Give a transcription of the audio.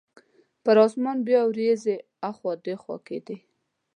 پر اسمان بیا وریځې اخوا دیخوا کیدې.